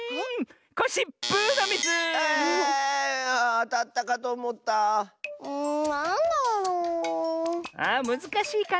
あむずかしいかね。